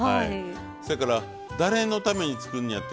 それから誰のために作んねやっていう。